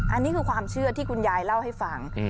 อันนี้คือความเชื่อที่คุณยายเล่าให้ฟัง